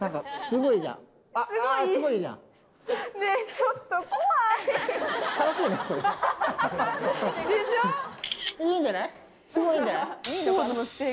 すごいいいんじゃない？